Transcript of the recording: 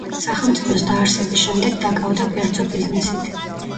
სახელმწიფოს დაარსების შემდეგ დაკავდა კერძო ბიზნესით.